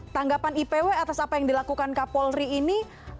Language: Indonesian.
tanggapan ipw atas apa yang dilakukan kapolri ini